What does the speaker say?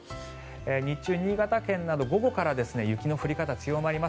日中、新潟県など午後から雪の降り方が強まります。